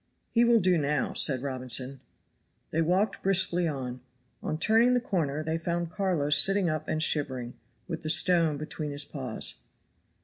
"He will do now," said Robinson. They walked briskly on. On turning the corner they found Carlo sitting up and shivering, with the stone between his paws.